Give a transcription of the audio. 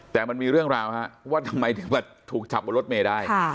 แต่มันมีเรื่องราวว่าทำไมถึงมาถูกจับบนรถเมย์ได้